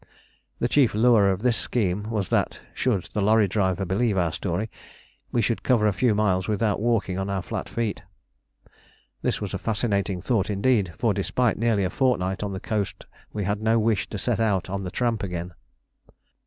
The chief lure of this scheme was that, should the lorry driver believe our story, we should cover a few miles without walking on our flat feet. This was a fascinating thought indeed, for despite nearly a fortnight on the coast we had no wish to set out on the tramp again.